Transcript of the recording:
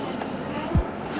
lagi ada juga